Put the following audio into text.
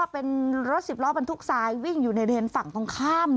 เป็นรถสิบล้อบรรทุกทรายวิ่งอยู่ในเลนส์ฝั่งตรงข้าม